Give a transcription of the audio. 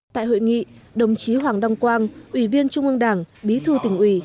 tại hội nghị đồng chí hoàng đăng quang ủy viên trung ương đảng bí thư tỉnh ủy